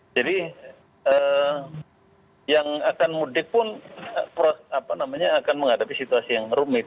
jadi yang akan mudik pun akan menghadapi situasi yang rumit